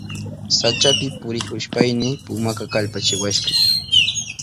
Sachapi purihushpayni pumaka kallpachiwashka.